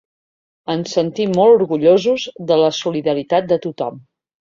Ens sentim molt orgullosos de la solidaritat de tothom.